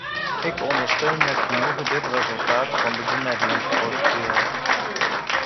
Ik ondersteun met genoegen dit resultaat van de bemiddelingsprocedure.